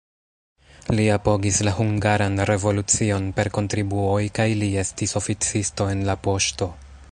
Li apogis la hungaran revolucion per kontribuoj kaj li estis oficisto en la poŝto.